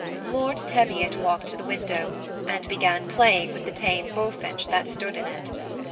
Lord Teviot walked to the wmdow and began plaTUig with the tame bullfinch that stood in it.